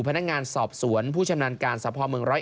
พนักงานสอบสวนผู้ชำนาญการสะพอเมือง๑๐๑